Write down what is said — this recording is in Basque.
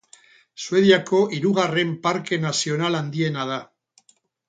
Suediako hirugarren Parke Nazional handiena da.